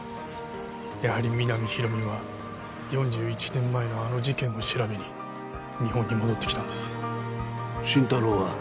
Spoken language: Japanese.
やはり皆実広見は４１年前のあの事件を調べに日本に戻ってきたんです心太朗は？